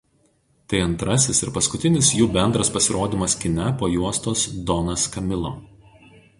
Tai antrasis ir paskutinis jų bendras pasirodymas kine po juostos Donas Kamilo.